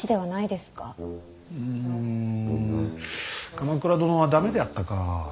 うん鎌倉殿は駄目であったか。